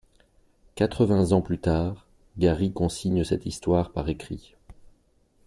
Quatre-vingts ans plus tard, Gary consigne cette histoire par écrit.